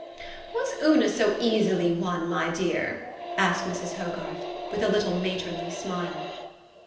"Was Una so easily won, my dear ?" asked Mrs. Hogarth, with a little matronly smile.